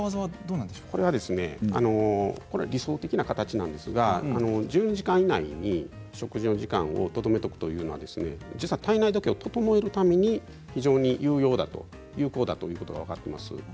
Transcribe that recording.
理想的な形なんですが１２時間以内に食事の時間をとどめておくというのは実は体内時計を整えるために非常に有効だということが分かっています。